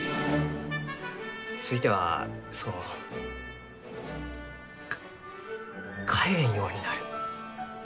ついてはそのか帰れんようになる。